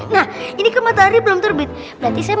nah ini ke matahari belum terbit berarti saya